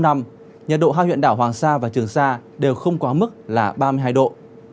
nhiệt độ hai huyện đảo hoàng sa và trường sa đều không quá mức là ba mươi hai độ